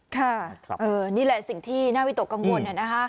ค่ะนี่แหละสิ่งที่น่าวิตกังวลเนี่ยนะฮะ